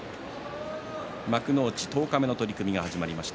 幕内十日目の取組が始まりました。